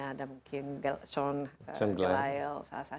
ada mungkin sean gliel